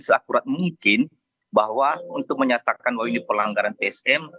seakurat mungkin bahwa untuk menyatakan bahwa ini pelanggaran tsm